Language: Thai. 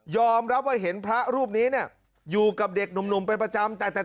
รับว่าเห็นพระรูปนี้เนี่ยอยู่กับเด็กหนุ่มเป็นประจำ